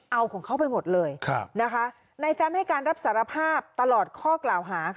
เอาของเขาไปหมดเลยนายแซมให้การรับสารภาพตลอดข้อกล่าวหา